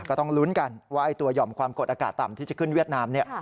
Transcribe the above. ก็ต้องลุ้นกันว่าตัวหย่อมความกดอากาศต่ำที่จะขึ้นเวียดนามเนี่ย